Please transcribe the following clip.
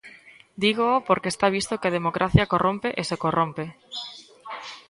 Dígoo porque está visto que a democracia corrompe e se corrompe.